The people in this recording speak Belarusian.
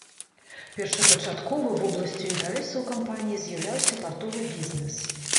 Першапачаткова вобласцю інтарэсаў кампаніі з'яўляўся партовы бізнес.